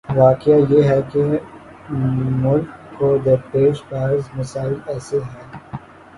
واقعہ یہ ہے کہ ملک کو درپیش بعض مسائل ایسے ہیں۔